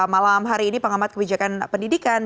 malam hari ini pengamat kebijakan pendidikan